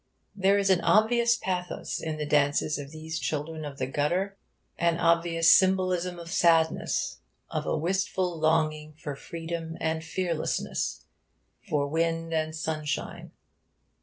There is an obvious pathos in the dances of these children of the gutter an obvious symbolism of sadness, of a wistful longing for freedom and fearlessness, for wind and sunshine.